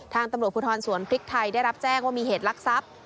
ทางตำรวจภูทรสวนพริกไทยได้รับแจ้งว่ามีเหตุลักษัพ